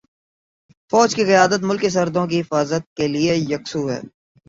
فوج کی قیادت ملکی سرحدوں کی حفاظت کے لیے یکسو ہے۔